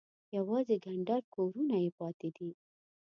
یوازې کنډر کورونه یې پاتې دي.